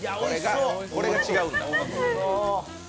これが違うんだ。